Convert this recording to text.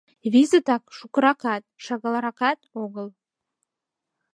Визытак — шукыракат, шагалракат огыл.